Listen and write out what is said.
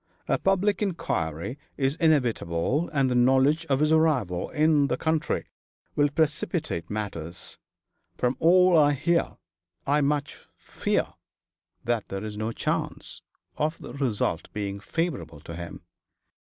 A public inquiry is inevitable, and the knowledge of his arrival in the country will precipitate matters. From all I hear I much fear that there is no chance of the result being favourable to him.